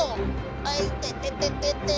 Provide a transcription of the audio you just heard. あ痛ててててっ！